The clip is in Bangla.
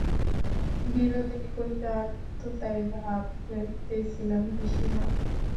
বিনোদিনী কহিল, আমিও তো তাই ভাবিতেছিলাম, পিসিমা।